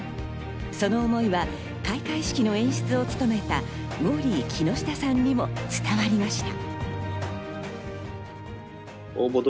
その思いは開会式の演出を務めたウォーリー木下さんにも伝わりました。